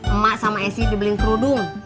emak sama esi dibeli kerudung